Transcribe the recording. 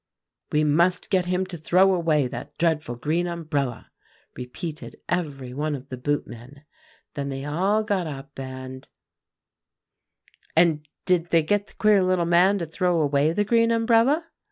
"'We must get him to throw away that dreadful green umbrella,' repeated every one of the boot men. Then they all got up, and" "And did they get the queer little man to throw away the green umbrella?"